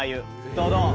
ドドン！